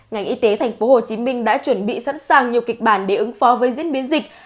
ngành y tế thành phố hồ chí minh đã chuẩn bị sẵn sàng nhiều kịch bản để ứng phó với diễn biến dịch